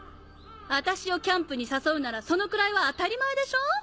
あたしをキャンプに誘うならそのくらいは当たり前でしょ！